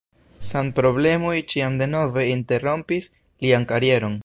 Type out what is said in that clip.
Sanproblemoj ĉiam denove interrompis lian karieron.